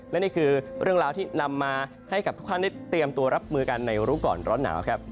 และนี่คือเรื่องราวที่นำมาให้กับทุกท่านได้เตรียมตัวรับมือกันในรู้ก่อนร้อนหนาวครับ